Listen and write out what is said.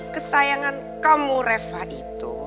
kesayangan kamu reva itu